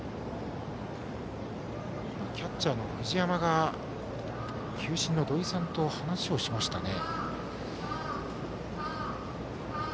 キャッチャーの藤山が球審の土井さんと話しましたね。